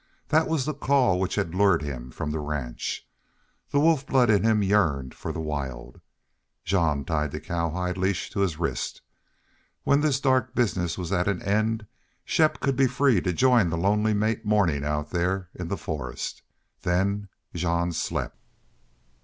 That was the call which had lured him from the ranch. The wolf blood in him yearned for the wild. Jean tied the cowhide leash to his wrist. When this dark business was at an end Shepp could be free to join the lonely mate mourning out there in the forest. Then Jean slept.